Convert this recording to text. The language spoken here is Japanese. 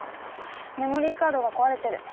メモリーカードが壊れてる」